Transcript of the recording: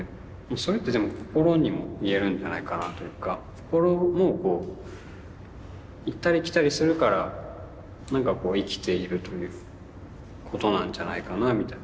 それってでも心にも言えるんじゃないかなというか心も行ったり来たりするからなんかこう生きているということなんじゃないかなみたいな。